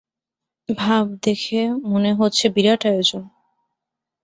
তাব দেখে মনে হচ্ছে-বিরাট আয়োজন।